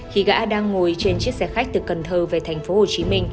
khi gã đang ngồi trên chiếc xe khách từ cần thơ về tp hcm